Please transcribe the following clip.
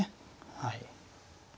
はい。